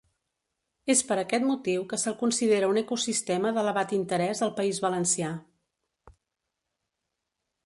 És per aquest motiu que se’l considera un ecosistema d'elevat interès al País Valencià.